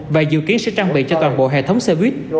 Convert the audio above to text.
và dự kiến sẽ trang bị cho toàn bộ hệ thống xe buýt